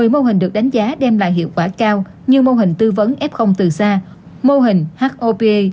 một mươi mô hình được đánh giá đem lại hiệu quả cao như mô hình tư vấn f từ xa mô hình hop